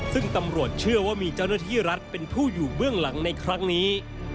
ซึ่งตำรวจเชื่อว่ามีเจ้าหน้าที่รัฐเป็นผู้อยู่เบื้องหลังในครั้งนี้